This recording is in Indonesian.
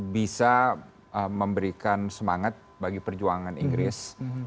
bisa memberikan semangat bagi perjuangan inggris